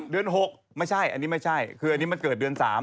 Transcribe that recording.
เดือน๖ไม่ใช่อันนี้ไม่ใช่คืออันนี้มันเกิดเดือน๓